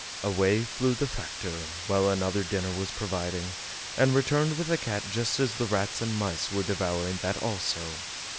Away flew the factor, while another dinner was providing, and returned with the cat just as the rats and mice were devouring that also.